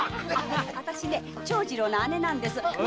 私長次郎の姉なんです。